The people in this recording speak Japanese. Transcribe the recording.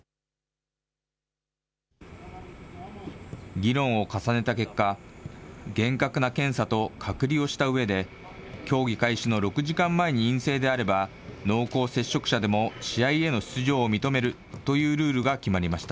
議論を重ねた結果、厳格な検査と隔離をしたうえで、競技開始の６時間前に陰性であれば、濃厚接触者でも試合への出場を認めるというルールが決まりました。